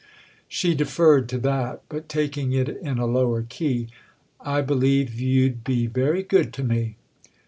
She deferred to that, but taking it in a lower key. "I believe you'd be very good to me."